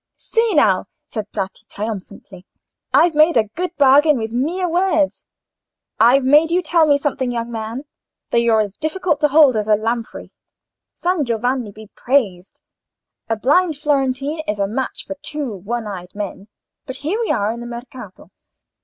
"See, now!" said Bratti, triumphantly; "I've made a good bargain with mere words. I've made you tell me something, young man, though you're as hard to hold as a lamprey. San Giovanni be praised! a blind Florentine is a match for two one eyed men. But here we are in the Mercato."